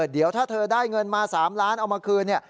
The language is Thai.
เดี๋ยวถ้าเธอได้เงินมา๓ล้านเอามาคืนเนี่ย